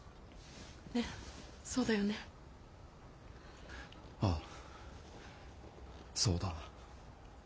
ねっそうだよね？ああそうだ。